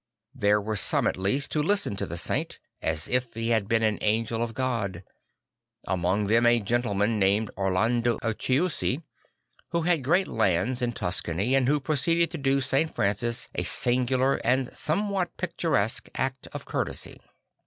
There were some at least who listened to the saint II as if he had been an angel of God"; among them a gentleman named Orlando of Chiusi, who had great lands in Tuscany, and who proceeded to do St. Francis a singular and somewhat picturesque act of courtesy.